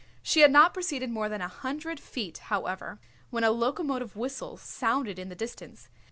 She had not proceeded more than a hundred feet, however, when a locomotive whistle sounded in the distance.